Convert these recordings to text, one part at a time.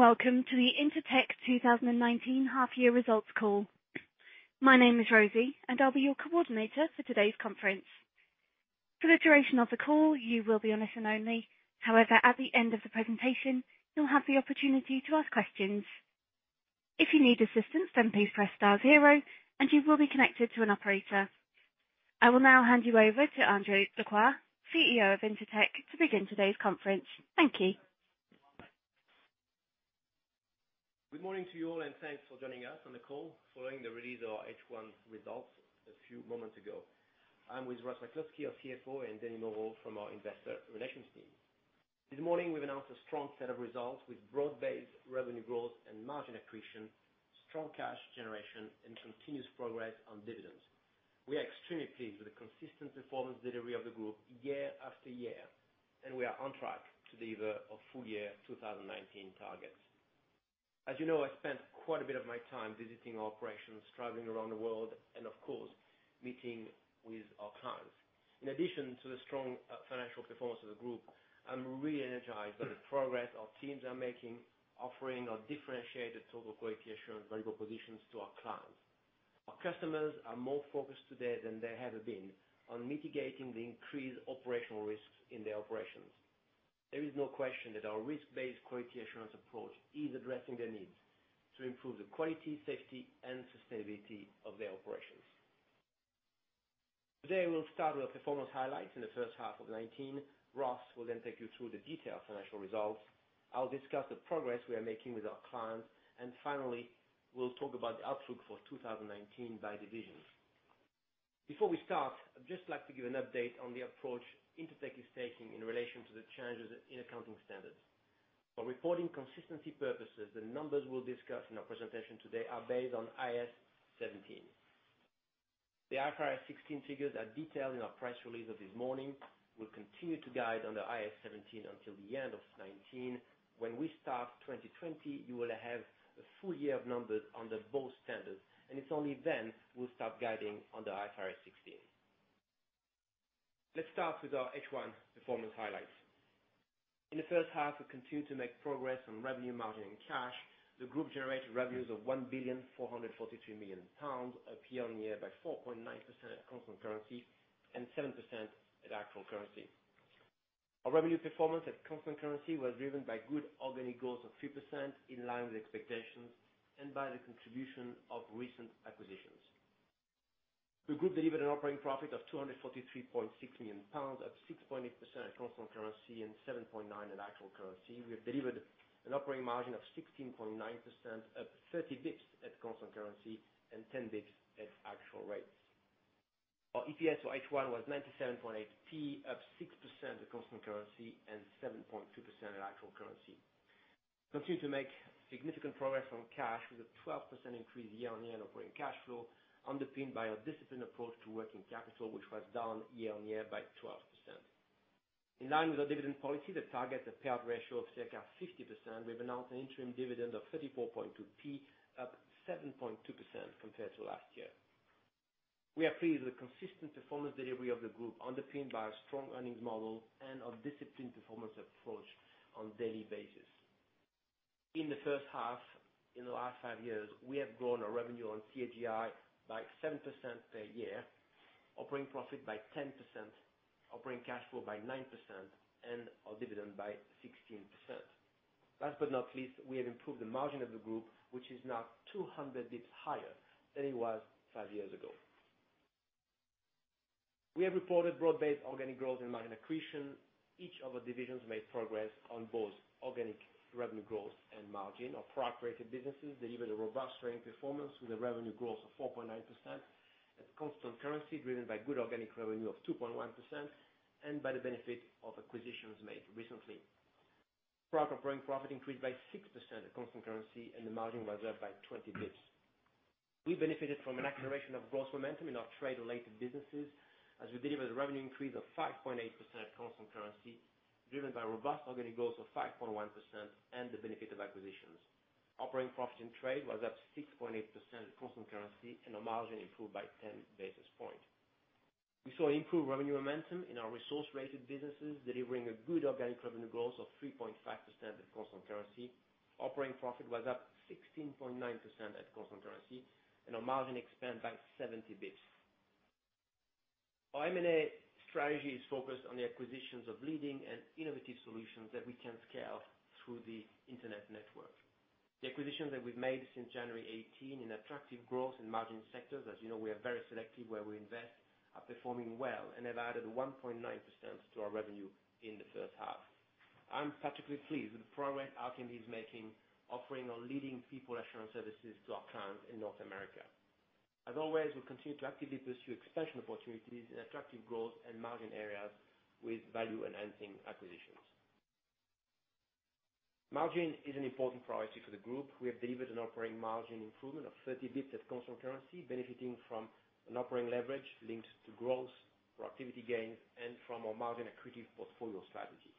Hello, and welcome to the Intertek 2019 half year results call. My name is Rosie, and I'll be your coordinator for today's conference. For the duration of the call, you will be on listen only. However, at the end of the presentation, you'll have the opportunity to ask questions. If you need assistance, then please press star zero and you will be connected to an operator. I will now hand you over to André Lacroix, CEO of Intertek, to begin today's conference. Thank you. Good morning to you all, and thanks for joining us on the call following the release of our H1 results a few moments ago. I'm with Ross McCluskey, our CFO, and Denis Moreau from our Investor Relations team. This morning we've announced a strong set of results with broad-based revenue growth and margin accretion, strong cash generation, and continuous progress on dividends. We are extremely pleased with the consistent performance delivery of the group year after year, and we are on track to deliver our full year 2019 targets. As you know, I spent quite a bit of my time visiting our operations, traveling around the world, and of course, meeting with our clients. In addition to the strong financial performance of the group, I'm really energized by the progress our teams are making, offering our differentiated Total Quality Assurance value propositions to our clients. Our customers are more focused today than they have been on mitigating the increased operational risks in their operations. There is no question that our risk-based quality assurance approach is addressing their needs to improve the quality, safety, and sustainability of their operations. Today, we'll start with our performance highlights in the first half of 2019. Ross will then take you through the detailed financial results. I'll discuss the progress we are making with our clients, and finally, we'll talk about the outlook for 2019 by divisions. Before we start, I'd just like to give an update on the approach Intertek is taking in relation to the changes in accounting standards. For reporting consistency purposes, the numbers we'll discuss in our presentation today are based on IAS 17. The IFRS 16 figures are detailed in our press release of this morning. We'll continue to guide on the IAS 17 until the end of 2019. When we start 2020, you will have a full year of numbers under both standards, and it's only then we'll start guiding on the IFRS 16. Let's start with our H1 performance highlights. In the first half, we continued to make progress on revenue margin and cash. The group generated revenues of 1,443,000,000 pounds, up year-over-year by 4.9% at constant currency and 7% at actual currency. Our revenue performance at constant currency was driven by good organic growth of 3% in line with expectations and by the contribution of recent acquisitions. The group delivered an operating profit of 243.6 million pounds, up 6.8% at constant currency and 7.9% at actual currency. We have delivered an operating margin of 16.9%, up 30 basis points at constant currency and 10 basis points at actual rates. Our EPS for H1 was 0.978, up 6% at constant currency and 7.2% at actual currency. Continue to make significant progress on cash with a 12% increase year-on-year on operating cash flow underpinned by our disciplined approach to working capital, which was down year-on-year by 12%. In line with our dividend policy that targets a payout ratio of circa 50%, we have announced an interim dividend of 0.342, up 7.2% compared to last year. We are pleased with the consistent performance delivery of the group underpinned by our strong earnings model and our disciplined performance approach on daily basis. In the first half in the last five years, we have grown our revenue on CAGR by 7% per year, operating profit by 10%, operating cash flow by 9%, and our dividend by 16%. Last but not least, we have improved the margin of the group, which is now 200 basis points higher than it was five years ago. We have reported broad-based organic growth in margin accretion. Each of our divisions made progress on both organic revenue growth and margin. Our product rated businesses delivered a robust rating performance with a revenue growth of 4.9% at constant currency driven by good organic revenue of 2.1% and by the benefit of acquisitions made recently. Product operating profit increased by 6% at constant currency and the margin was up by 20 basis points. We benefited from an acceleration of growth momentum in our trade related businesses as we delivered a revenue increase of 5.8% at constant currency driven by robust organic growth of 5.1% and the benefit of acquisitions. Operating profit in trade was up 6.8% at constant currency and our margin improved by 10 basis point. We saw improved revenue momentum in our resource rated businesses delivering a good organic revenue growth of 3.5% at constant currency. Operating profit was up 16.9% at constant currency and our margin expanded by 70 basis points. Our M&A strategy is focused on the acquisitions of leading and innovative solutions that we can scale through the Intertek network. The acquisitions that we've made since January 2018 in attractive growth and margin sectors, as you know we are very selective where we invest, are performing well and have added 1.9% to our revenue in the first half. I'm particularly pleased with the progress Alchemy is making offering our leading people assurance services to our clients in North America. As always, we continue to actively pursue expansion opportunities in attractive growth and margin areas with value enhancing acquisitions. Margin is an important priority for the group. We have delivered an operating margin improvement of 30 basis points at constant currency, benefiting from an operating leverage linked to growth, productivity gains, and from our margin accretive portfolio strategy.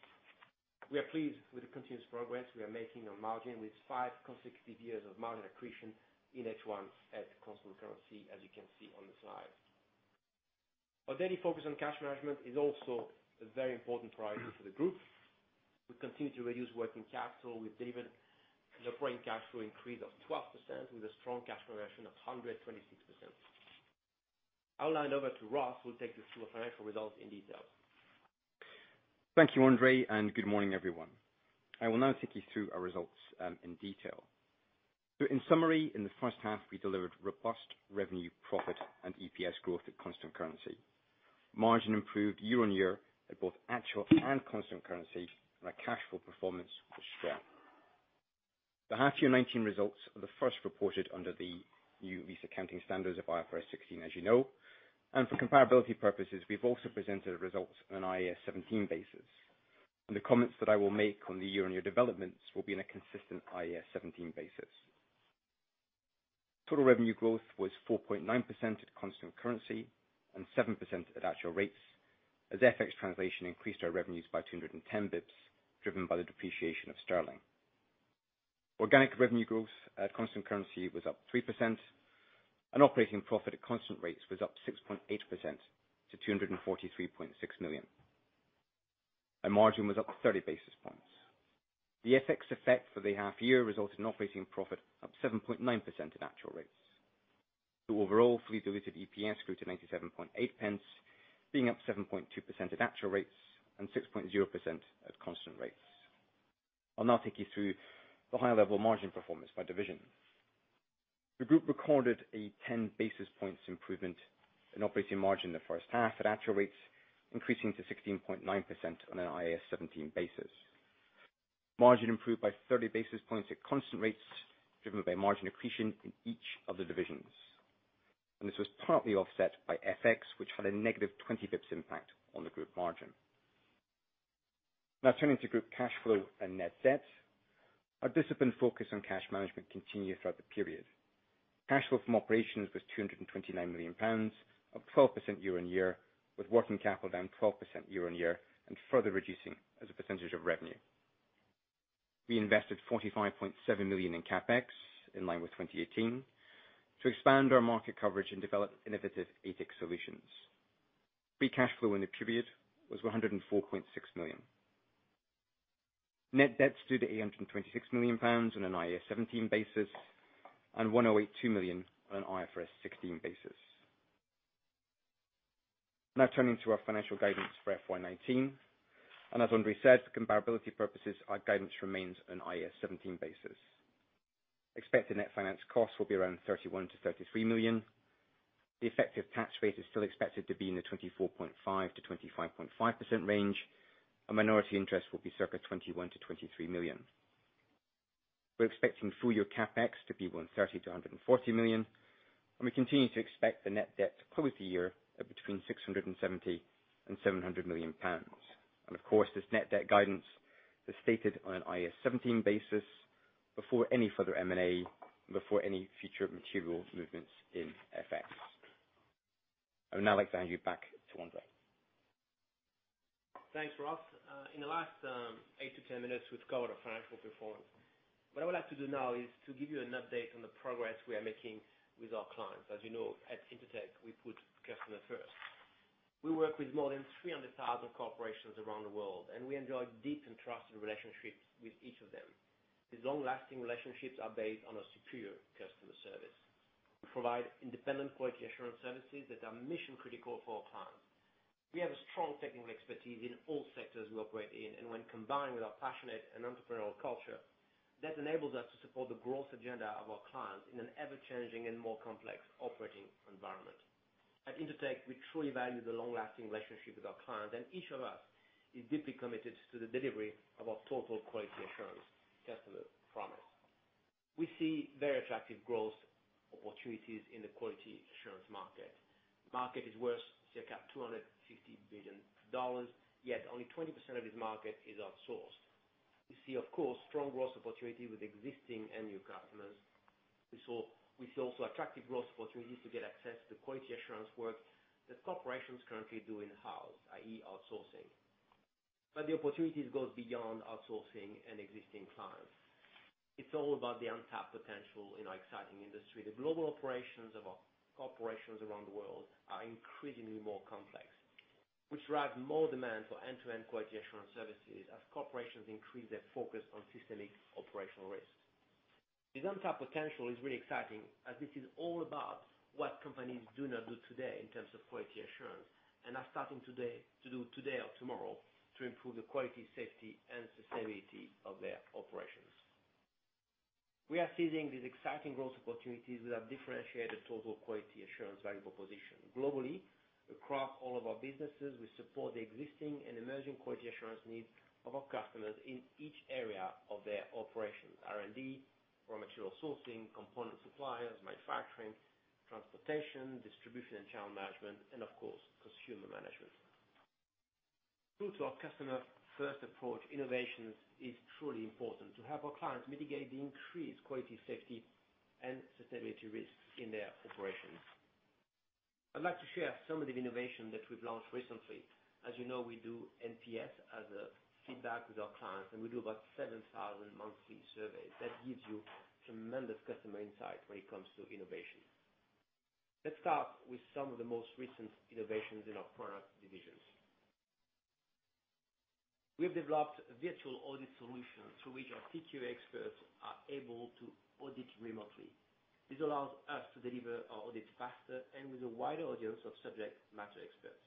We are pleased with the continuous progress we are making on margin with five consecutive years of margin accretion in H1 at constant currency as you can see on the slide. Our daily focus on cash management is also a very important priority for the group. We continue to reduce working capital with delivered operating cash flow increase of 12% with a strong cash flow conversion of 126%. I'll hand over to Ross, who will take us through our financial results in detail. Thank you, André, good morning, everyone. I will now take you through our results in detail. In summary, in the first half, we delivered robust revenue profit and EPS growth at constant currency. Margin improved year-over-year at both actual and constant currency, and our cash flow performance was strong. The half year 2019 results are the first reported under the new lease accounting standards of IFRS 16, as you know. For comparability purposes, we've also presented results on an IAS 17 basis. The comments that I will make on the year-over-year developments will be in a consistent IAS 17 basis. Total revenue growth was 4.9% at constant currency and 7% at actual rates, as FX translation increased our revenues by 210 basis points, driven by the depreciation of sterling. Organic revenue growth at constant currency was up 3%. Operating profit at constant rates was up 6.8% to 243.6 million. Our margin was up 30 basis points. The FX effect for the half year resulted in operating profit up 7.9% at actual rates. The overall fully diluted EPS grew to 0.978, being up 7.2% at actual rates and 6.0% at constant rates. I'll now take you through the high-level margin performance by division. The group recorded a 10 basis points improvement in operating margin in the first half at actual rates, increasing to 16.9% on an IAS 17 basis. Margin improved by 30 basis points at constant rates, driven by margin accretion in each of the divisions. This was partly offset by FX, which had a negative 20 basis points impact on the group margin. Now turning to group cash flow and net debt. Our disciplined focus on cash management continued throughout the period. Cash flow from operations was £229 million, up 12% year-on-year, with working capital down 12% year-on-year and further reducing as a percentage of revenue. We invested 45.7 million in CapEx, in line with 2018, to expand our market coverage and develop innovative ATIC solutions. Free cash flow in the period was 104.6 million. Net debts stood at £826 million on an IAS 17 basis and 182 million on an IFRS 16 basis. Turning to our financial guidance for FY 2019, as André said, for comparability purposes, our guidance remains an IAS 17 basis. Expected net finance costs will be around 31 million-33 million. The effective tax rate is still expected to be in the 24.5%-25.5% range. Minority interest will be circa 21 million-23 million. We're expecting full year CapEx to be 130 million-140 million. We continue to expect the net debt to close the year at between 670 million and 700 million pounds. Of course, this net debt guidance is stated on an IAS 17 basis before any further M&A and before any future material movements in FX. I would now like to hand you back to André. Thanks, Ross. In the last eight to 10 minutes we've covered our financial performance. What I would like to do now is to give you an update on the progress we are making with our clients. As you know, at Intertek, we put customer first. We work with more than 300,000 corporations around the world, and we enjoy deep and trusted relationships with each of them. These long-lasting relationships are based on our superior customer service. We provide independent quality assurance services that are mission critical for our clients. We have a strong technical expertise in all sectors we operate in, and when combined with our passionate and entrepreneurial culture, that enables us to support the growth agenda of our clients in an ever-changing and more complex operating environment. At Intertek, we truly value the long-lasting relationship with our clients, and each of us is deeply committed to the delivery of our Total Quality Assurance customer promise. We see very attractive growth opportunities in the quality assurance market. The market is worth circa $250 billion, yet only 20% of this market is outsourced. We see, of course, strong growth opportunity with existing and new customers. We see also attractive growth opportunities to get access to quality assurance work that corporations currently do in-house, i.e., outsourcing. The opportunities goes beyond outsourcing and existing clients. It's all about the untapped potential in our exciting industry. The global operations of our corporations around the world are increasingly more complex, which drives more demand for end-to-end quality assurance services as corporations increase their focus on systemic operational risks. The untapped potential is really exciting as this is all about what companies do not do today in terms of quality assurance and are starting to do today or tomorrow to improve the quality, safety, and sustainability of their operations. We are seizing these exciting growth opportunities with our differentiated Total Quality Assurance value proposition. Globally, across all of our businesses, we support the existing and emerging quality assurance needs of our customers in each area of their operations, R&D, raw material sourcing, component suppliers, manufacturing, transportation, distribution and channel management, and of course, consumer management. True to our customer-first approach, innovation is truly important to help our clients mitigate the increased quality, safety, and sustainability risks in their operations. I'd like to share some of the innovation that we've launched recently. As you know, we do NPS as a feedback with our clients, and we do about 7,000 monthly surveys. That gives you tremendous customer insight when it comes to innovation. Let's start with some of the most recent innovations in our product divisions. We have developed a virtual audit solution through which our TQA experts are able to audit remotely. This allows us to deliver our audits faster and with a wider audience of subject matter experts.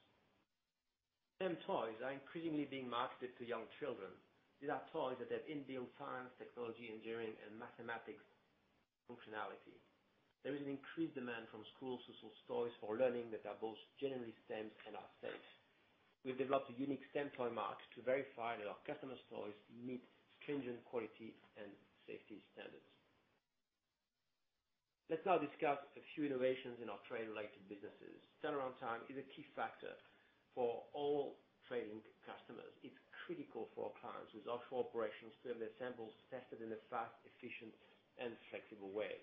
STEM toys are increasingly being marketed to young children. These are toys that have inbuilt science, technology, engineering, and mathematics functionality. There is an increased demand from schools for toys for learning that are both genuinely STEM and are safe. We've developed a unique STEM toy mark to verify that our customers' toys meet stringent quality and safety standards. Let's now discuss a few innovations in our trade-related businesses. Turnaround time is a key factor for all trading customers. It's critical for our clients with offshore operations to have their samples tested in a fast, efficient, and flexible way.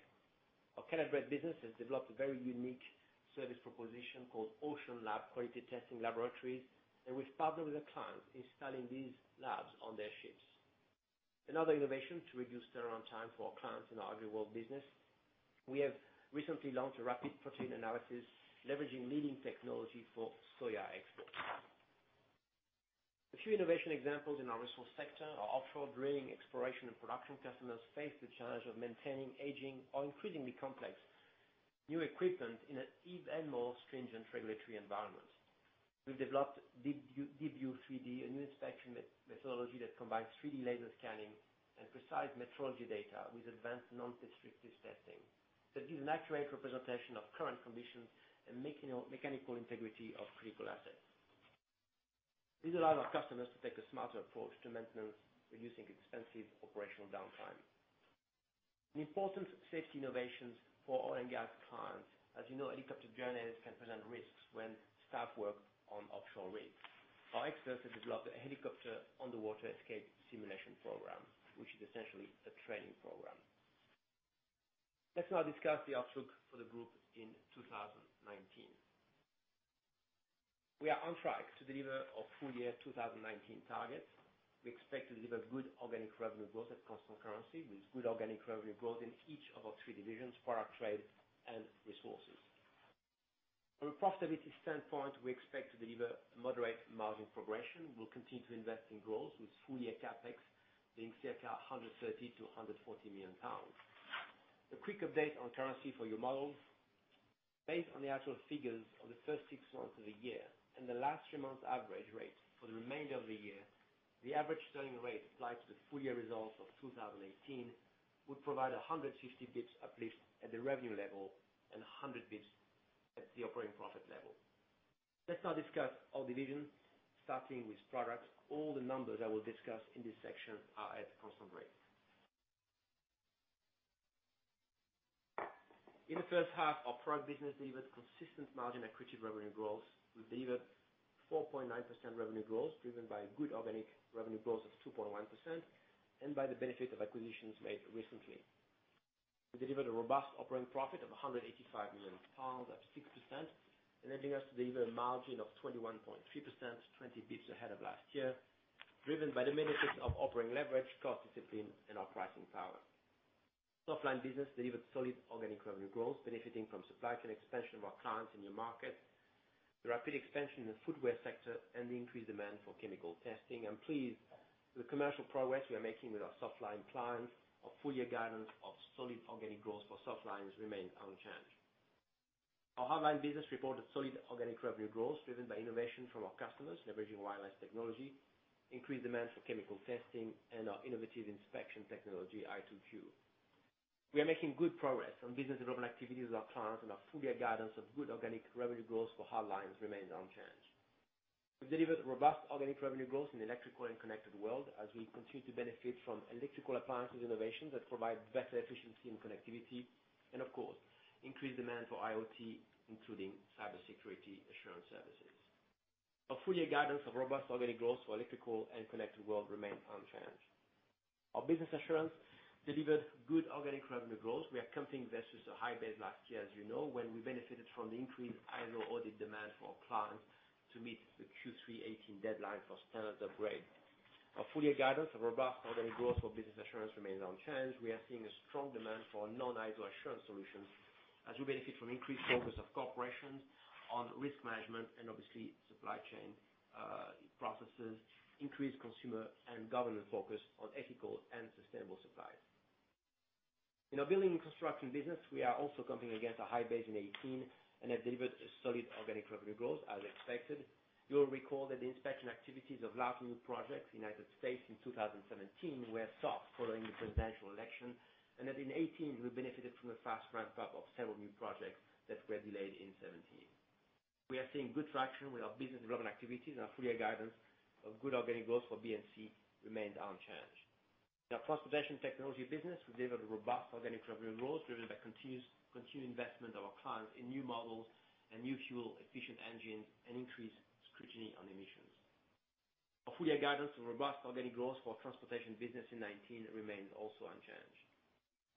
Our Caleb Brett business has developed a very unique service proposition called On-site Lab Quality Testing Laboratories, and we've partnered with the clients in installing these labs on their ships. Another innovation to reduce turnaround time for our clients in our AgriWorld business, we have recently launched a rapid protein analysis leveraging leading technology for soya exports. A few innovation examples in our resource sector. Our offshore drilling, exploration, and production customers face the challenge of maintaining aging or increasingly complex new equipment in an even more stringent regulatory environment. We've developed Debu 3D, a new inspection methodology that combines 3D laser scanning and precise metrology data with advanced non-destructive testing that gives an accurate representation of current conditions and mechanical integrity of critical assets. This allows our customers to take a smarter approach to maintenance, reducing expensive operational downtime. An important safety innovation for oil and gas clients. As you know, helicopter journeys can present risks when staff work on offshore rigs. Our experts have developed a helicopter underwater escape simulation program, which is essentially a training program. Let's now discuss the outlook for the group in 2019. We are on track to deliver our full year 2019 targets. We expect to deliver good organic revenue growth at constant currency with good organic revenue growth in each of our three divisions, product, trade, and resources. From a profitability standpoint, we expect to deliver moderate margin progression. We'll continue to invest in growth with full-year CapEx being circa 130 million-140 million pounds. A quick update on currency for your models. Based on the actual figures of the first six months of the year and the last three months average rate for the remainder of the year, the average sterling rate applied to the full-year results of 2018 would provide a 150 basis points uplift at the revenue level and 100 basis points at the operating profit level. Let's now discuss our divisions, starting with products. All the numbers I will discuss in this section are at constant rate. In the first half, our product business delivered consistent margin accretive revenue growth. We delivered 4.9% revenue growth driven by good organic revenue growth of 2.1% and by the benefit of acquisitions made recently. We delivered a robust operating profit of £185 million, up 6%, enabling us to deliver a margin of 21.3%, 20 basis points ahead of last year, driven by the benefits of operating leverage, cost discipline, and our pricing power. Softlines business delivered solid organic revenue growth, benefiting from supply chain expansion of our clients in new markets, the rapid expansion in the footwear sector, and the increased demand for chemical testing. I'm pleased with the commercial progress we are making with our Softlines clients. Our full-year guidance of solid organic growth for Softlines remains unchanged. Our Hardlines business reported solid organic revenue growth driven by innovation from our customers leveraging wireless technology, increased demand for chemical testing, and our innovative inspection technology, i2Q. We are making good progress on business development activities with our clients and our full-year guidance of good organic revenue growth for Hardlines remains unchanged. We've delivered robust organic revenue growth in Electrical & Connected World as we continue to benefit from electrical appliances innovations that provide better efficiency and connectivity and of course increased demand for IoT, including cybersecurity assurance services. Our full-year guidance of robust organic growth for Electrical & Connected World remains unchanged. Our Business Assurance delivered good organic revenue growth. We are competing versus a high base last year, as you know, when we benefited from the increased ISO audit demand for our clients to meet the Q3 2018 deadline for standards upgrade. Our full-year guidance of robust organic growth for Business Assurance remains unchanged. We are seeing a strong demand for non-ISO assurance solutions as we benefit from increased focus of corporations on risk management and obviously supply chain processes, increased consumer and government focus on ethical and sustainable suppliers. In our Building and Construction business, we are also competing against a high base in 2018 and have delivered a solid organic revenue growth as expected. You'll recall that the inspection activities of large new projects in the U.S. in 2017 were soft following the presidential election, that in 2018, we benefited from a fast ramp-up of several new projects that were delayed in 2017. We are seeing good traction with our business development activities, our full-year guidance of good organic growth for B&C remains unchanged. In our Transportation Technologies business, we've delivered robust organic revenue growth driven by continued investment of our clients in new models and new fuel-efficient engines and increased scrutiny on emissions. Our full-year guidance of robust organic growth for Transportation business in 2019 remains also unchanged.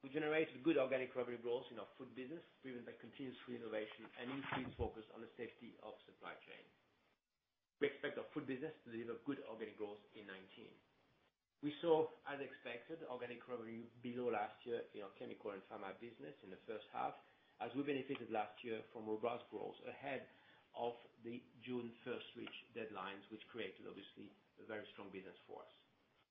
We generated good organic revenue growth in our Food business, driven by continuous innovation and increased focus on the safety of supply chain. We expect our Food business to deliver good organic growth in 2019. We saw, as expected, organic revenue below last year in our chemical and pharma business in the first half, as we benefited last year from robust growth ahead of the June 1st switch deadlines, which created, obviously, a very strong business for us.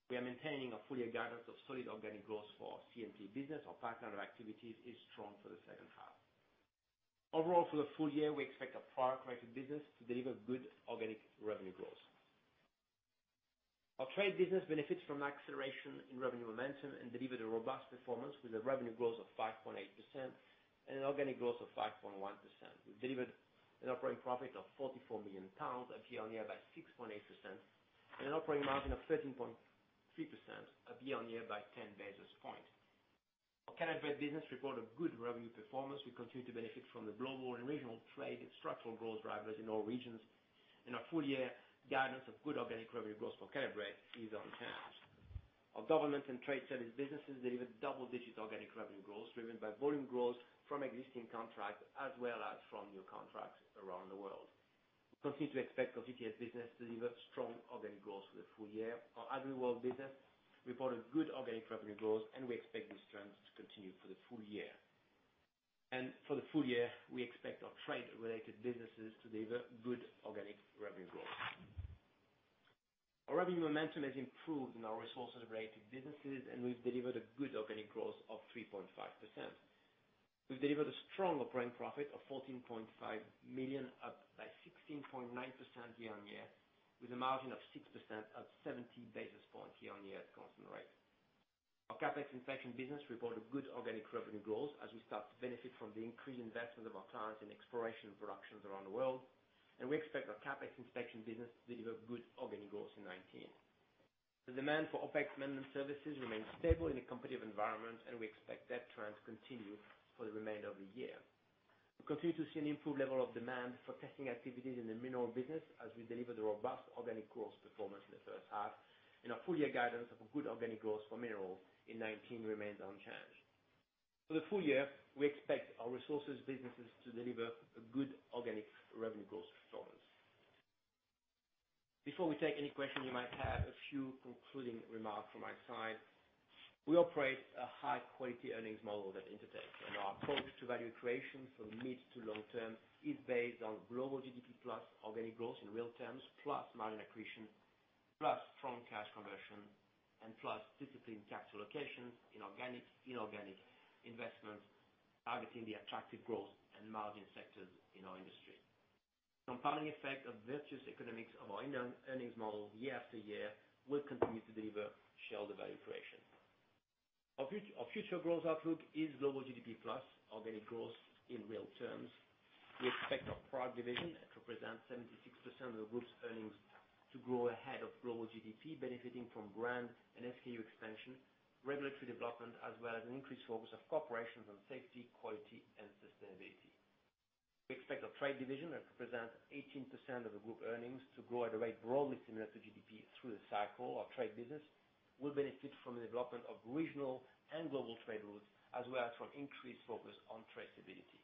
We are maintaining a full year guidance of solid organic growth for our C&P business. Our partner activities is strong for the second half. Overall, for the full year, we expect our product-related business to deliver good organic revenue growth. Our trade business benefits from acceleration in revenue momentum and delivered a robust performance with a revenue growth of 5.8% and an organic growth of 5.1%. We delivered an operating profit of 44 million pounds, up year-on-year by 6.8%, and an operating margin of 13.3%, up year-on-year by 10 basis points. Our Caleb Brett business reported good revenue performance. We continue to benefit from the global and regional trade and structural growth drivers in all regions. Our full year guidance of good organic revenue growth for Caleb Brett is unchanged. Our Government and Trade Services businesses delivered double-digit organic revenue growth, driven by volume growth from existing contracts, as well as from new contracts around the world. We continue to expect our GTS business to deliver strong organic growth for the full year. Our AgriWorld business reported good organic revenue growth. We expect this trend to continue for the full year. For the full year, we expect our trade-related businesses to deliver good organic revenue growth. Our revenue momentum has improved in our resources-related businesses, and we've delivered a good organic growth of 3.5%. We've delivered a strong operating profit of 14.5 million, up by 16.9% year-on-year, with a margin of 6%, up 70 basis points year-on-year at constant rate. Our CapEx inspection business reported good organic revenue growth as we start to benefit from the increased investment of our clients in exploration productions around the world, and we expect our CapEx inspection business to deliver good organic growth in 2019. The demand for OpEx maintenance services remains stable in a competitive environment, and we expect that trend to continue for the remainder of the year. We continue to see an improved level of demand for testing activities in the mineral business as we deliver the robust organic growth performance in the first half and our full year guidance of a good organic growth for minerals in 2019 remains unchanged. For the full year, we expect our resources businesses to deliver a good organic revenue growth performance. Before we take any questions you might have, a few concluding remarks from my side. We operate a high-quality earnings model at Intertek. Our approach to value creation from mid to long term is based on global GDP plus organic growth in real terms, plus margin accretion, plus strong cash conversion, and plus disciplined capital allocation in organic, inorganic investment, targeting the attractive growth and margin sectors in our industry. Compounding effect of virtuous economics of our earnings model year after year will continue to deliver shareholder value creation. Our future growth outlook is global GDP plus organic growth in real terms. We expect our product division, that represents 76% of the group's earnings, to grow ahead of global GDP, benefiting from brand and SKU expansion, regulatory development, as well as an increased focus of corporations on safety, quality, and sustainability. We expect our trade division, that represents 18% of the group earnings, to grow at a rate broadly similar to GDP through the cycle. Our trade business will benefit from the development of regional and global trade routes, as well as from increased focus on traceability.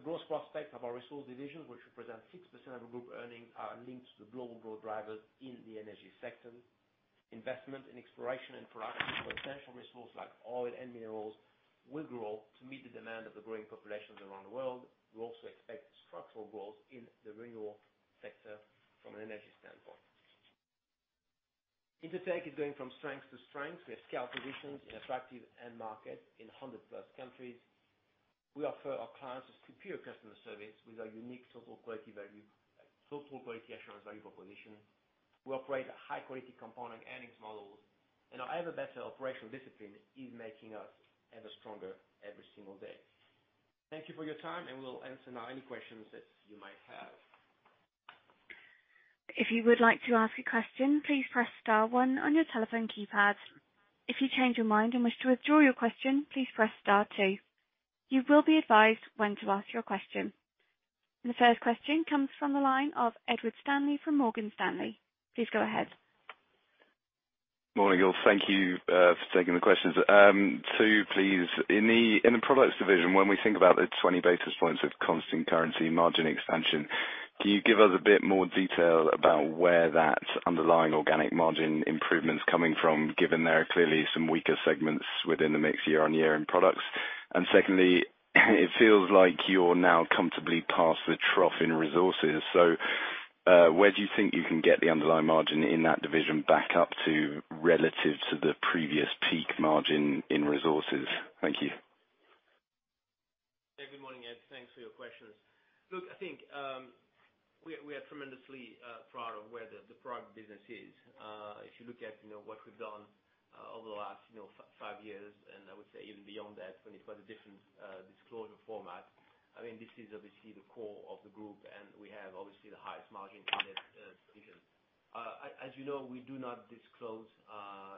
The growth prospect of our resource division, which represents 6% of the group earnings, are linked to the global growth drivers in the energy sector. Investment in exploration and production of potential resources like oil and minerals will grow to meet the demand of the growing populations around the world. We also expect structural growth in the renewable sector from an energy standpoint. Intertek is going from strength to strength. We have scale positions in attractive end markets in 100 plus countries. We offer our clients a superior customer service with our unique total quality assurance value proposition. We operate a high-quality component earnings models. Our ever better operational discipline is making us ever stronger every single day. Thank you for your time, and we'll answer now any questions that you might have. If you would like to ask a question, please press star one on your telephone keypad. If you change your mind and wish to withdraw your question, please press star two. You will be advised when to ask your question. The first question comes from the line of Ed Stanley from Morgan Stanley. Please go ahead. Morning, y'all. Thank you for taking the questions. Two, please. In the products division, when we think about the 20 basis points of constant currency margin expansion, can you give us a bit more detail about where that underlying organic margin improvement's coming from, given there are clearly some weaker segments within the mix year-on-year in products? Secondly, it feels like you're now comfortably past the trough in resources. Where do you think you can get the underlying margin in that division back up to relative to the previous peak margin in resources? Thank you. Yeah. Good morning, Ed. Thanks for your questions. Look, I think we are tremendously proud of where the product business is. If you look at what we've done over the last five years, and I would say even beyond that, when it was a different disclosure format, this is obviously the core of the group, and we have obviously the highest margin in this division. As you know, we do not disclose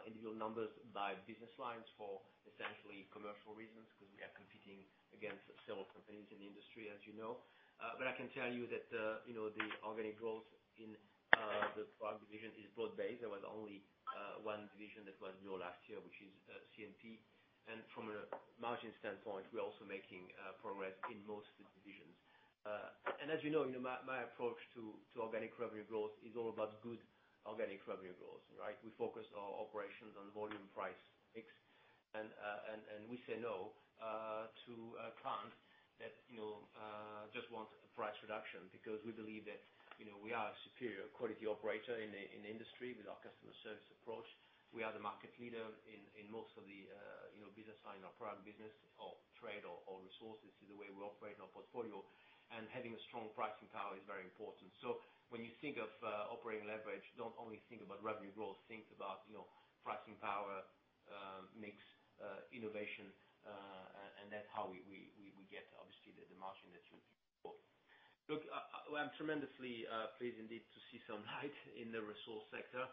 individual numbers by business lines for essentially commercial reasons, because we are competing against several companies in the industry, as you know. I can tell you that the organic growth in the product division is broad-based. There was only one division that was low last year, which is CMP. From a margin standpoint, we are also making progress in most of the divisions. As you know, my approach to organic revenue growth is all about good organic revenue growth. We focus our operations on volume price mix, and we say no to a client that just wants a price reduction because we believe that we are a superior quality operator in the industry with our customer service approach. We are the market leader in most of the business line, our product business of Trade and Resources is the way we operate our portfolio, and having a strong pricing power is very important. When you think of operating leverage, don't only think about revenue growth, think about pricing power, mix, innovation, and that's how we get, obviously, the margin that you spoke. Look, I'm tremendously pleased indeed to see some light in the resource sector.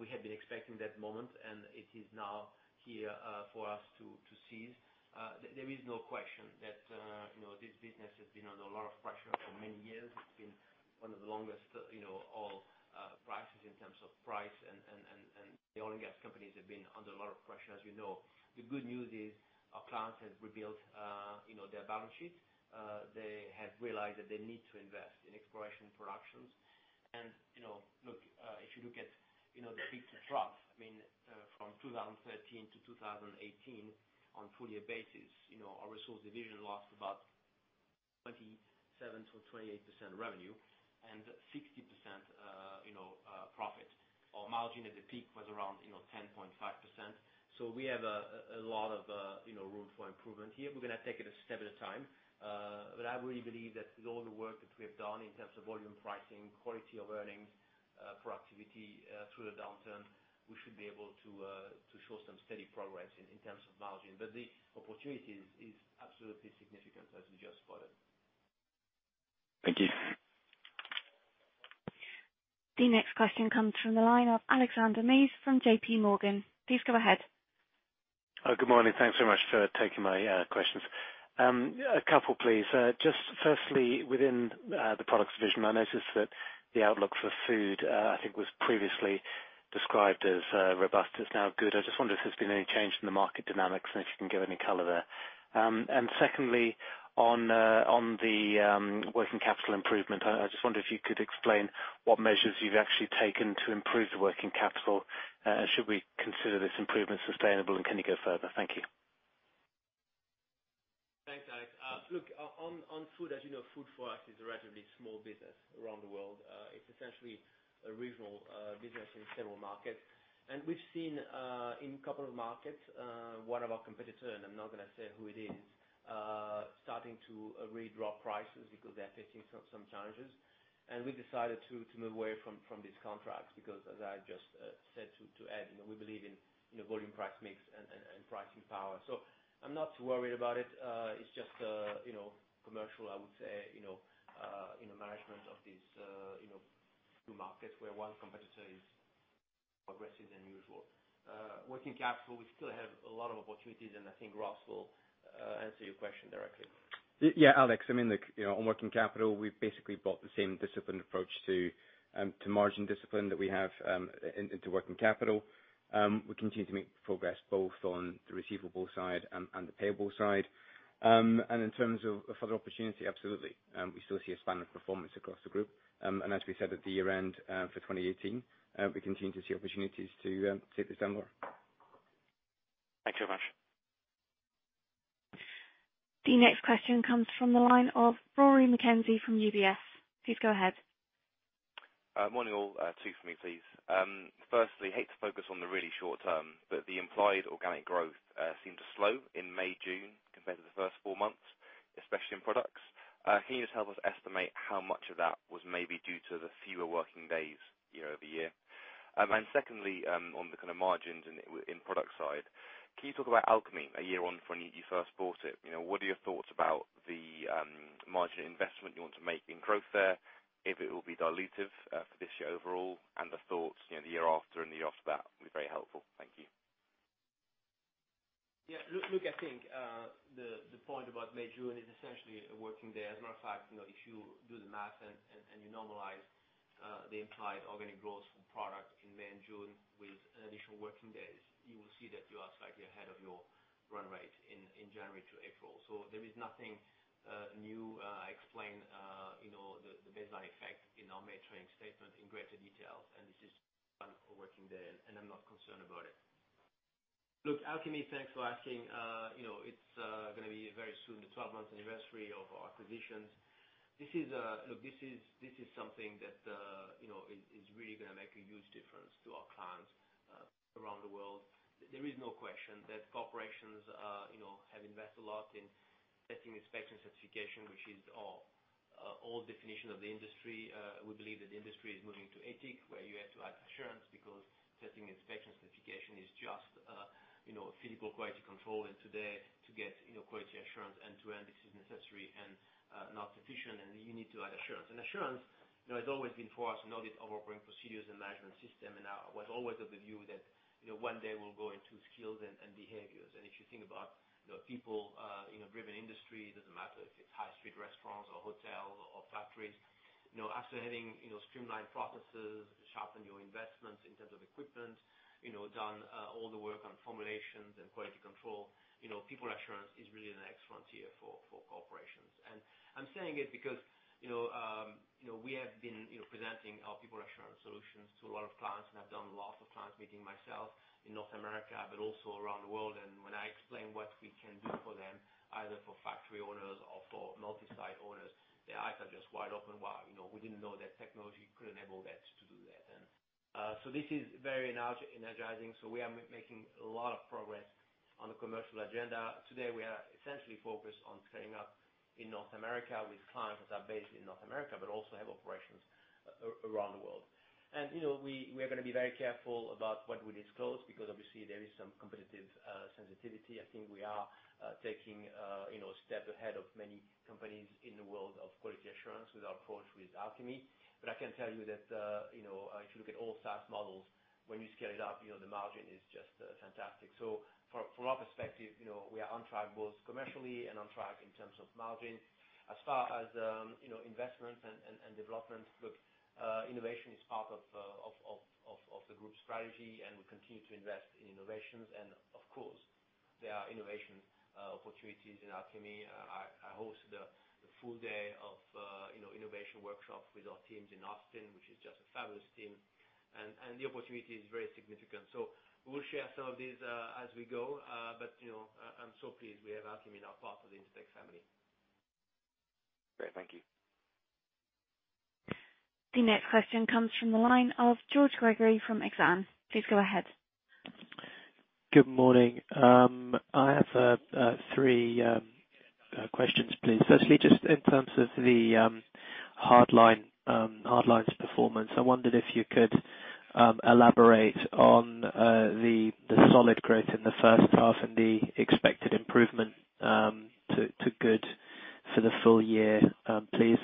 We had been expecting that moment, and it is now here for us to seize. There is no question that this business has been under a lot of pressure for many years. It's been one of the longest, oil prices in terms of price, and the oil and gas companies have been under a lot of pressure, as you know. The good news is our clients have rebuilt their balance sheets. They have realized that they need to invest in exploration productions. Look, if you look at the peak to trough, I mean, from 2013 to 2018 on a full year basis, our resource division lost about 27%-28% revenue and 60% profit. Our margin at the peak was around 10.5%. We have a lot of room for improvement here. We're going to take it a step at a time. I really believe that with all the work that we have done in terms of volume pricing, quality of earnings, productivity through the downturn, we should be able to show some steady progress in terms of margin. The opportunity is absolutely significant, as you just spotted. Thank you. The next question comes from the line of Alexander Mees from JPMorgan. Please go ahead. Good morning. Thanks so much for taking my questions. A couple, please. Just firstly, within the products division, I noticed that the outlook for food, I think was previously described as robust, is now good. I just wonder if there's been any change in the market dynamics and if you can give any color there. Secondly, on the working capital improvement, I just wonder if you could explain what measures you've actually taken to improve the working capital, and should we consider this improvement sustainable, and can you go further? Thank you. Thanks, Alex. Look, on food, as you know, food for us is a relatively small business around the world. It's essentially a regional business in several markets. We've seen in a couple of markets, one of our competitors, and I'm not going to say who it is, starting to redraw prices because they're facing some challenges. We decided to move away from these contracts because, as I just said to Ed, we believe in volume price mix and pricing power. I'm not too worried about it. It's just commercial, I would say, in the management of these few markets where one competitor is more aggressive than usual. Working capital, we still have a lot of opportunities, and I think Ross will answer your question directly. Yeah, Alex. On working capital, we've basically brought the same disciplined approach to margin discipline that we have into working capital. We continue to make progress both on the receivable side and the payable side. In terms of further opportunity, absolutely. We still see a span of performance across the group. As we said at the year-end for 2018, we continue to see opportunities to take this down more. Thanks very much. The next question comes from the line of Rory McKenzie from UBS. Please go ahead. Morning, all. Two from me, please. Firstly, hate to focus on the really short term, but the implied organic growth seemed to slow in May, June compared to the first four months, especially in products. Can you just help us estimate how much of that was maybe due to the fewer working days year-over-year? Secondly, on the kind of margins in product side, can you talk about Alchemy a year on from when you first bought it? What are your thoughts about the margin investment you want to make in growth there? If it will be dilutive for this year overall, and the thoughts the year after and the year after that will be very helpful. Thank you. Yeah. Look, I think, the point about May, June is essentially a working day. As a matter of fact, if you do the math and you normalize the implied organic growth from product in May and June with additional working days, you will see that you are slightly ahead of your run rate in January to April. There is nothing new. I explained the baseline effect in our May trading statement in greater detail, and this is working there, and I'm not concerned about it. Look, Alchemy, thanks for asking. It's going to be very soon the 12-month anniversary of our acquisition. This is something that is really going to make a huge difference to our clients around the world. There is no question that corporations have invested a lot in testing, inspection, certification, which is all definition of the industry. We believe that the industry is moving to ATIC, where you have to add assurance because testing, inspection, certification is just a physical quality control. Today to get quality assurance end to end, this is necessary and not sufficient, and you need to add assurance. Assurance has always been for us, not just our operating procedures and management system. I was always of the view that one day we'll go into skills and behaviors. If you think about people in a driven industry, it doesn't matter if it's high street restaurants or hotels factories. After having streamlined processes, sharpened your investments in terms of equipment, done all the work on formulations and quality control, people assurance is really the next frontier for corporations. I'm saying it because we have been presenting our people assurance solutions to a lot of clients, and I've done lots of clients meeting myself in North America, but also around the world. When I explain what we can do for them, either for factory owners or for multi-site owners, their eyes are just wide open. "Wow, we didn't know that technology could enable that to do that." This is very energizing. We are making a lot of progress on the commercial agenda. Today, we are essentially focused on setting up in North America with clients that are based in North America, but also have operations around the world. We are going to be very careful about what we disclose, because obviously there is some competitive sensitivity. I think we are taking a step ahead of many companies in the world of quality assurance with our approach with Alchemy. I can tell you that, if you look at all SaaS models, when you scale it up, the margin is just fantastic. From our perspective, we are on track both commercially and on track in terms of margin. As far as investments and developments. Look, innovation is part of the group strategy, and we continue to invest in innovations. Of course, there are innovation opportunities in Alchemy. I host the full day of innovation workshop with our teams in Austin, which is just a fabulous team, and the opportunity is very significant. We will share some of these as we go. I'm so pleased we have Alchemy now part of the Intertek family. Great. Thank you. The next question comes from the line of George Gregory from Exane. Please go ahead. Good morning. I have three questions, please. Firstly, just in terms of the Hardlines's performance, I wondered if you could elaborate on the solid growth in the first half and the expected improvement to good for the full year, please.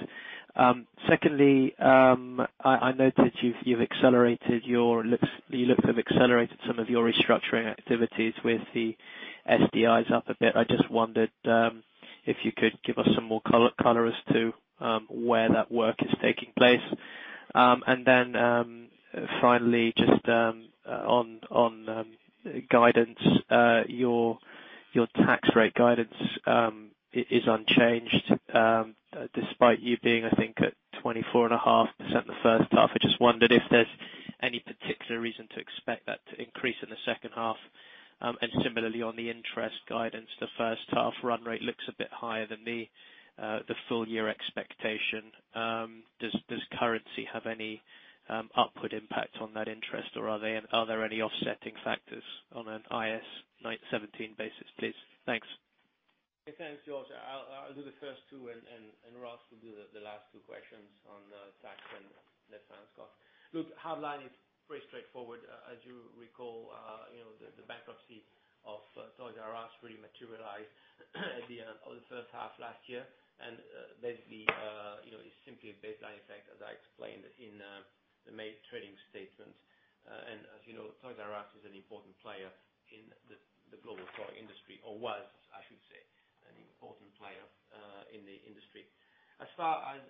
Secondly, I noted you look to have accelerated some of your restructuring activities with the SDIs up a bit. I just wondered if you could give us some more color as to where that work is taking place. Finally, just on guidance. Your tax rate guidance is unchanged, despite you being, I think, at 24.5% the first half. I just wondered if there's any particular reason to expect that to increase in the second half. Similarly, on the interest guidance, the first half run rate looks a bit higher than the full-year expectation. Does currency have any upward impact on that interest, or are there any offsetting factors on an IAS 17 basis, please? Thanks. Thanks, George. I'll do the first two, Ross will do the last two questions on tax and net finance cost. Look, Hardlines is pretty straightforward. As you recall, the bankruptcy of Toys Us really materialized at the end of the first half last year. Basically, it's simply a baseline effect, as I explained in the main trading statement. As you know, Toys Us is an important player in the global toy industry, or was, I should say, an important player in the industry. As far as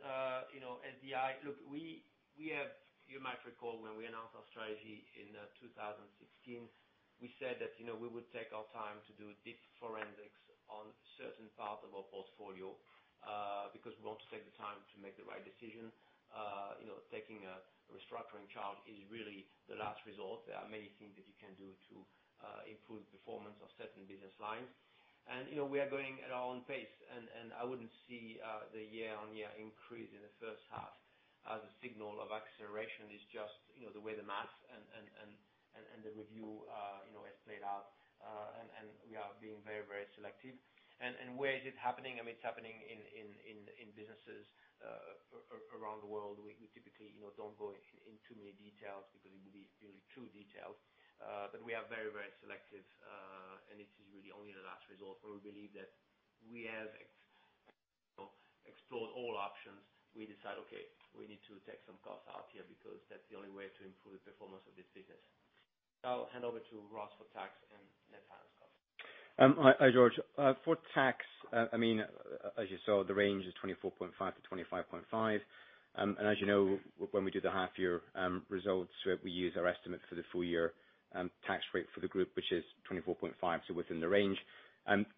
SDI, look, you might recall when we announced our strategy in 2016, we said that we would take our time to do deep forensics on certain parts of our portfolio, because we want to take the time to make the right decision. Taking a restructuring charge is really the last resort. There are many things that you can do to improve performance of certain business lines. We are going at our own pace. I wouldn't see the year-on-year increase in the first half as a signal of acceleration. It's just the way the math and the review has played out. We are being very selective. Where is it happening? It's happening in businesses around the world. We typically don't go in too many details because it will be really true details. We are very selective, and it is really only the last resort when we believe that we have explored all options. We decide, okay, we need to take some costs out here because that's the only way to improve the performance of this business. I'll hand over to Ross for tax and net finance cost. Hi, George. For tax, as you saw, the range is 24.5%-25.5%. As you know, when we do the half-year results, we use our estimate for the full-year tax rate for the group, which is 24.5%, so within the range.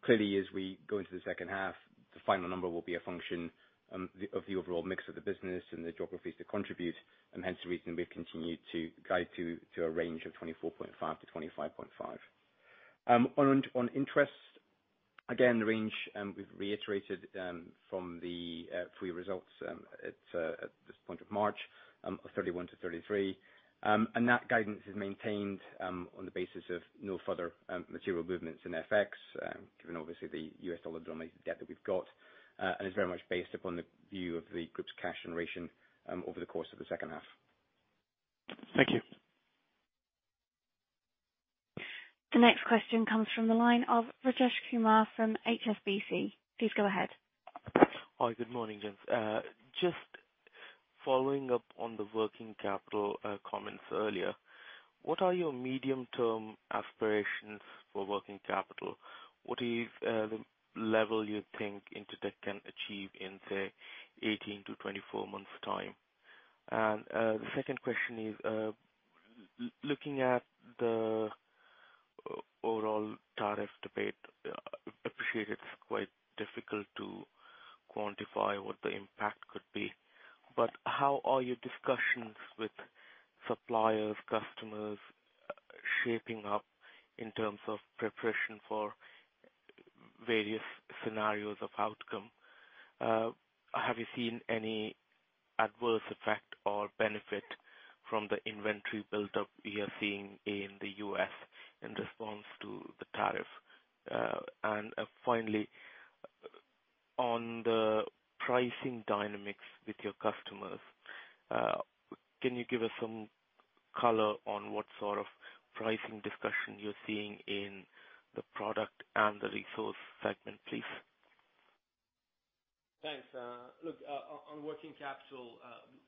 Clearly, as we go into the second half, the final number will be a function of the overall mix of the business and the geographies that contribute, hence the reason we've continued to guide to a range of 24.5%-25.5%. On interest, again, the range we've reiterated from the full results at this point of March of 31-33. That guidance is maintained on the basis of no further material movements in FX, given obviously the U.S. dollar dominated debt that we've got and is very much based upon the view of the group's cash generation over the course of the second half. Thank you. The next question comes from the line of Rajesh Kumar from HSBC. Please go ahead. Hi. Good morning, gents. Following up on the working capital comments earlier, what are your medium-term aspirations for working capital? What is the level you think Intertek can achieve in, say, 18-24 months' time? The second question is, looking at the overall tariff debate, I appreciate it's quite difficult to quantify what the impact could be. How are your discussions with suppliers, customers shaping up in terms of preparation for various scenarios of outcome? Have you seen any adverse effect or benefit from the inventory buildup we are seeing in the U.S. in response to the tariff? Finally, on the pricing dynamics with your customers, can you give us some color on what sort of pricing discussion you're seeing in the product and the resource segment, please? Thanks. Look, on working capital,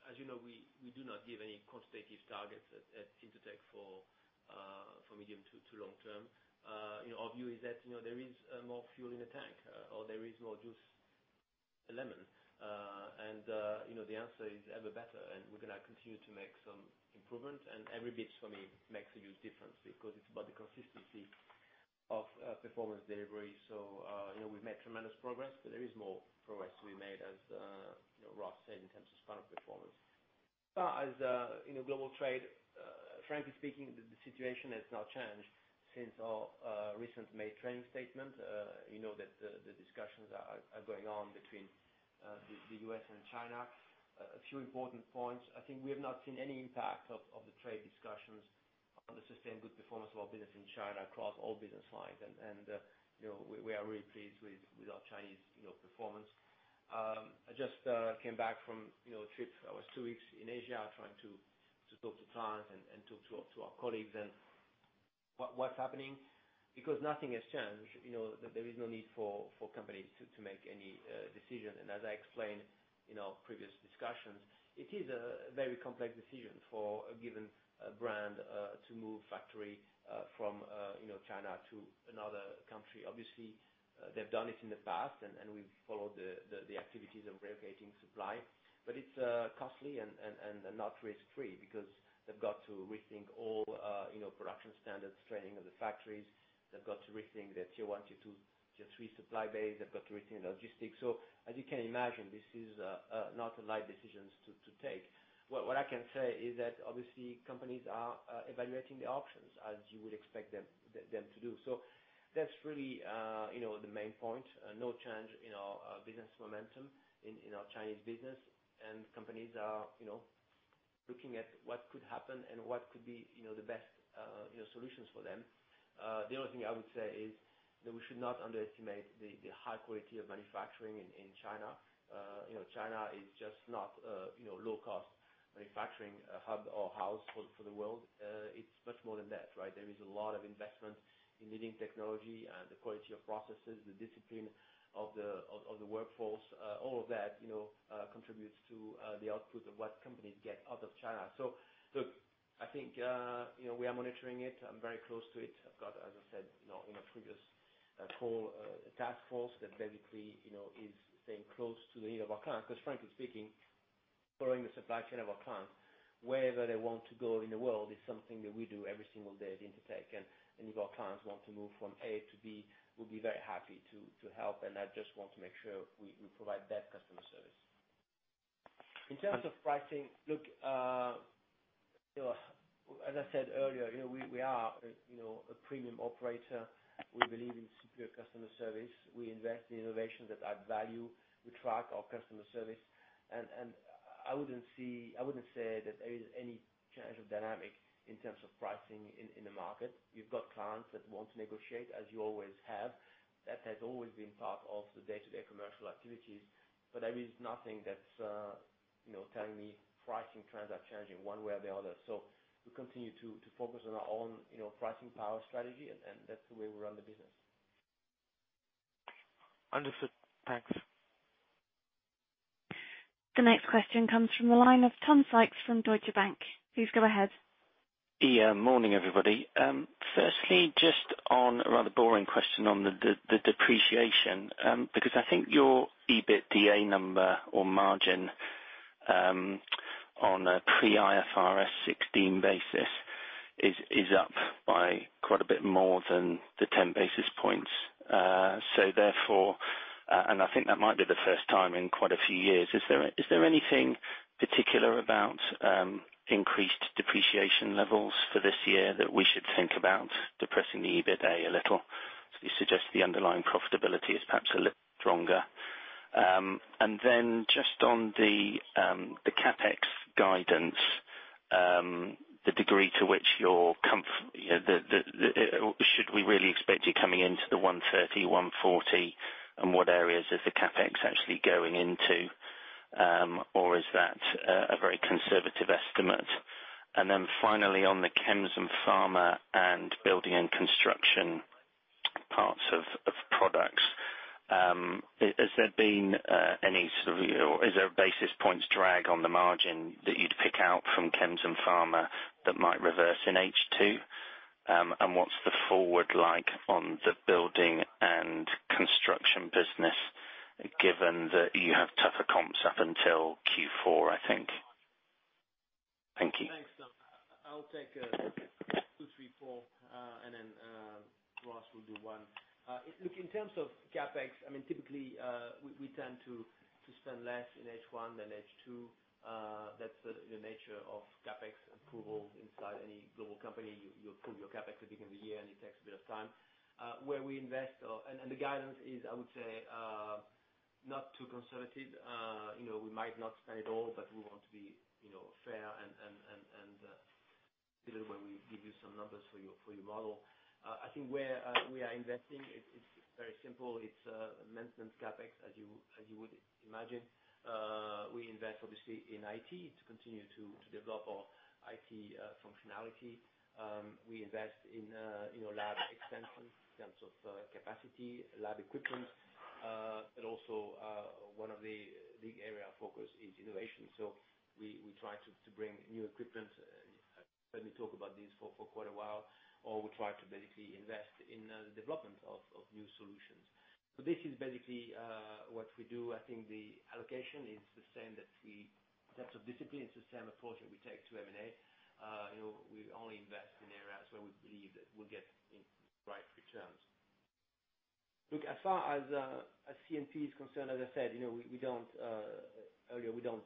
as you know, we do not give any quantitative targets at Intertek for medium to long term. Our view is that there is more fuel in the tank or there is more juice in the lemon. The answer is ever better, and we're going to continue to make some improvement, and every bit for me makes a huge difference because it's about the consistency of performance delivery. We've made tremendous progress, but there is more progress to be made, as Ross said, in terms of spot performance. As you know, global trade, frankly speaking, the situation has not changed since our recent May trading statement. You know that the discussions are going on between the U.S. and China. A few important points. I think we have not seen any impact of the trade discussions on the sustained good performance of our business in China across all business lines. We are really pleased with our Chinese performance. I just came back from a trip. I was two weeks in Asia trying to talk to clients and talk to our colleagues and what's happening. Because nothing has changed, there is no need for companies to make any decision. As I explained in our previous discussions, it is a very complex decision for a given brand to move factory from China to another country. Obviously, they've done it in the past, and we've followed the activities of relocating supply. It's costly and not risk-free because they've got to rethink all production standards, training of the factories. They've got to rethink their tier 1, tier 2, tier 3 supply base. They've got to rethink logistics. As you can imagine, this is not a light decision to take. What I can say is that obviously companies are evaluating the options as you would expect them to do. That's really the main point. No change in our business momentum in our Chinese business. Companies are looking at what could happen and what could be the best solutions for them. The only thing I would say is that we should not underestimate the high quality of manufacturing in China. China is just not a low-cost manufacturing hub or house for the world. It's much more than that, right? There is a lot of investment in leading technology and the quality of processes, the discipline of the workforce. All of that contributes to the output of what companies get out of China. Look, I think we are monitoring it. I'm very close to it. I've got, as I said in a previous call, a task force that basically is staying close to the ear of our clients, because frankly speaking, following the supply chain of our clients wherever they want to go in the world is something that we do every single day at Intertek. And if our clients want to move from A to B, we'll be very happy to help. And I just want to make sure we provide that customer service. In terms of pricing, look, as I said earlier, we are a premium operator. We believe in superior customer service. We invest in innovations that add value. We track our customer service. And I wouldn't say that there is any change of dynamic in terms of pricing in the market. You've got clients that want to negotiate, as you always have. That has always been part of the day-to-day commercial activities. There is nothing that's telling me pricing trends are changing one way or the other. We continue to focus on our own pricing power strategy, and that's the way we run the business. Understood. Thanks. The next question comes from the line of Tom Sykes from Deutsche Bank. Please go ahead. Yeah. Morning, everybody. Just on a rather boring question on the depreciation, because I think your EBITDA number or margin on a pre-IFRS 16 basis is up by quite a bit more than the 10 basis points. Therefore, and I think that might be the first time in quite a few years, is there anything particular about increased depreciation levels for this year that we should think about depressing the EBITDA a little? You suggest the underlying profitability is perhaps a little stronger. Just on the CapEx guidance, should we really expect you coming into the 130, 140? What areas is the CapEx actually going into? Is that a very conservative estimate? Finally on the Chems and Pharma and Building and Construction. Has there been any sort of, or is there a basis points drag on the margin that you'd pick out from Chems and Pharma that might reverse in H2? What's the forward like on the Building and Construction business, given that you have tougher comps up until Q4, I think. Thank you. Thanks, Tom. I'll take two, three, four, and then Ross will do one. Look, in terms of CapEx, typically, we tend to spend less in H1 than H2. That's the nature of CapEx approval inside any global company. You approve your CapEx at the beginning of the year, and it takes a bit of time. The guidance is, I would say, not too conservative. We might not spend it all, but we want to be fair and deliver when we give you some numbers for your model. I think where we are investing, it's very simple. It's maintenance CapEx, as you would imagine. We invest obviously in IT to continue to develop our IT functionality. We invest in lab extension in terms of capacity, lab equipment, but also one of the big area of focus is innovation. We try to bring new equipment. Let me talk about this for quite a while, or we try to basically invest in the development of new solutions. This is basically what we do. I think the allocation is the same, that the types of discipline is the same approach that we take to M&A. We only invest in areas where we believe that we'll get the right returns. Look, as far as CMP is concerned, as I said earlier, we don't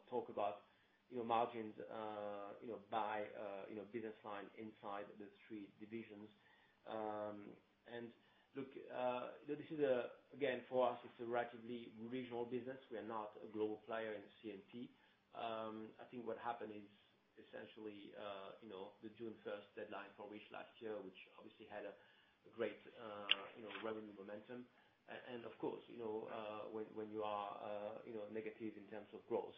talk about margins by business line inside the three divisions. Look this is, again, for us, it's a relatively regional business. We are not a global player in CMP. I think what happened is essentially the June 1st deadline for which last year, which obviously had a great revenue momentum. Of course, when you are negative in terms of growth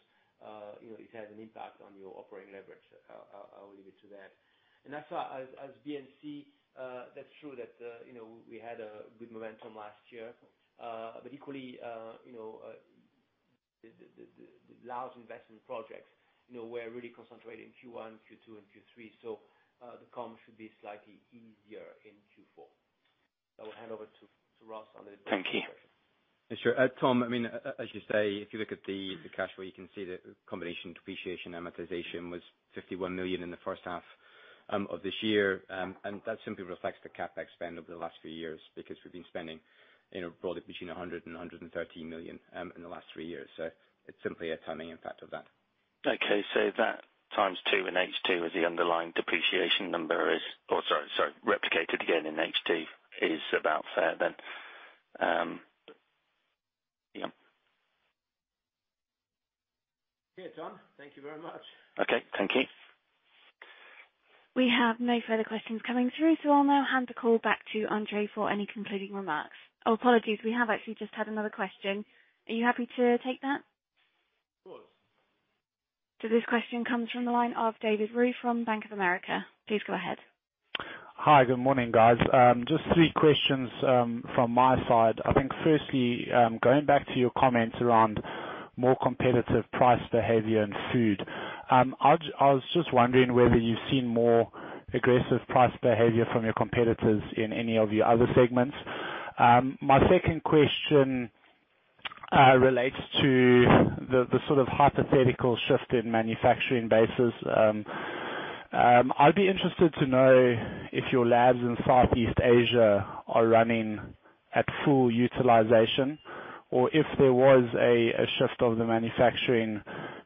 it has an impact on your operating leverage. I'll leave it to that. As far as B&C, that's true that we had a good momentum last year. Equally the large investment projects, we're really concentrated in Q1, Q2, and Q3, the comms should be slightly easier in Q4. I will hand over to Ross. Thank you. Sure. Tom, as you say, if you look at the cash flow, you can see the combination depreciation, amortization was 51 million in the first half of this year. That simply reflects the CapEx spend over the last few years because we've been spending broadly between 100 million and 113 million in the last three years. It's simply a timing impact of that. Okay. That times two in H2 as the underlying depreciation number replicated again in H2 is about fair then. Oh, sorry. Yeah. Okay, Tom. Thank you very much. Okay, thank you. We have no further questions coming through. I'll now hand the call back to André for any concluding remarks. Oh, apologies. We have actually just had another question. Are you happy to take that? Of course. This question comes from the line of David Roux from Bank of America. Please go ahead. Hi. Good morning, guys. Just three questions from my side. I think firstly, going back to your comments around more competitive price behavior and food. I was just wondering whether you've seen more aggressive price behavior from your competitors in any of your other segments. My second question relates to the sort of hypothetical shift in manufacturing bases. I'd be interested to know if your labs in Southeast Asia are running at full utilization, or if there was a shift of the manufacturing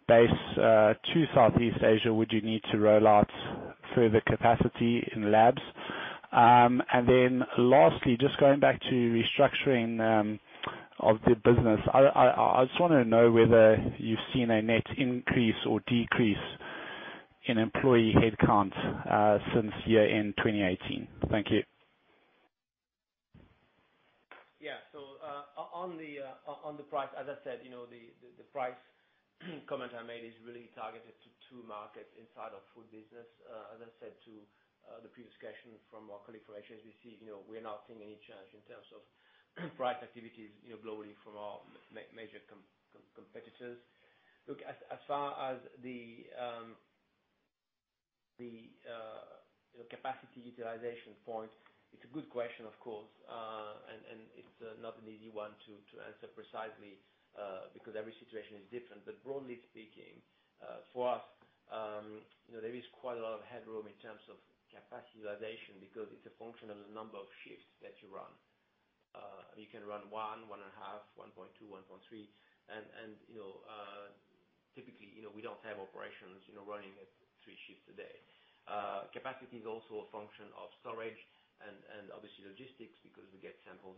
base to Southeast Asia, would you need to roll out further capacity in labs? Lastly, just going back to restructuring of the business. I just want to know whether you've seen a net increase or decrease in employee headcount since year-end 2018. Thank you. On the price, as I said, the price comment I made is really targeted to two markets inside of food business. As I said to the previous question from our colleague from HSBC, we are not seeing any change in terms of price activities globally from our major competitors. As far as the capacity utilization point, it is a good question, of course. It is not an easy one to answer precisely, because every situation is different. Broadly speaking, for us there is quite a lot of headroom in terms of capacity utilization because it is a function of the number of shifts that you run. You can run one and a half, one point two, one point three. Typically, we do not have operations running at three shifts a day. Capacity is also a function of storage and obviously logistics because we get samples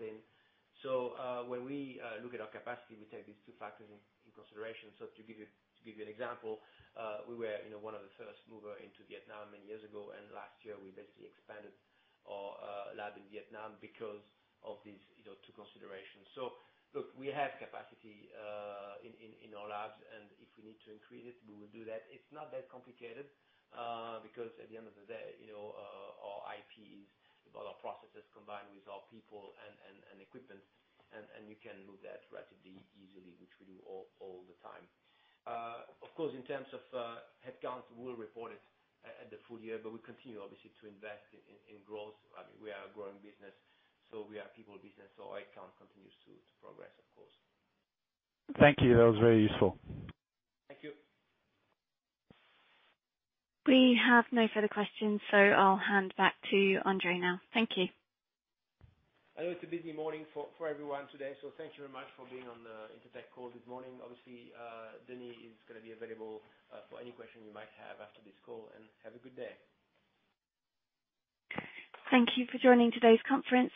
in. When we look at our capacity, we take these two factors into consideration. To give you an example, we were one of the first mover into Vietnam many years ago, and last year we basically expanded our lab in Vietnam because of these two considerations. Look, we have capacity in our labs, and if we need to increase it, we will do that. It's not that complicated, because at the end of the day our IP is with our processes combined with our people and equipment, and we can move that relatively easily, which we do all the time. Of course, in terms of headcount, we'll report it at the full year, but we continue obviously to invest in growth. We are a growing business, so we are a people business, so our headcount continues to progress, of course. Thank you. That was very useful. Thank you. We have no further questions, so I'll hand back to André now. Thank you. I know it's a busy morning for everyone today, so thank you very much for being on the Intertek call this morning. Obviously, Denis is going to be available for any question you might have after this call, and have a good day. Thank you for joining today's conference.